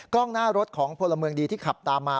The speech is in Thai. กล้องหน้ารถของพลเมืองดีที่ขับตามมา